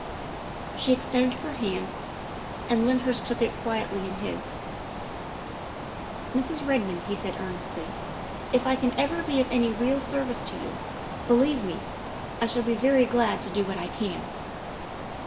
She extended her hand, and Lyndhurst took it quietly in his. " Mrs. Redmond," he said earnestly, " if I can ever be of any real service to you, believe me, I shall be very glad to do what I can.